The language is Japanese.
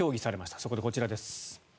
そこでこちらです。